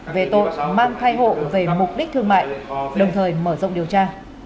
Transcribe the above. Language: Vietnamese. về tội mang thai hộ về mục đích thương mại đồng thời mở rộng điều tra